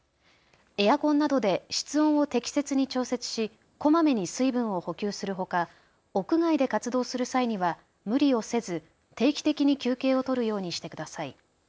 エアコンなどで室温を適切に調節し、こまめに水分を補給するほか、屋外で活動する際には無理をせず定期的に休憩を取るようにしてください。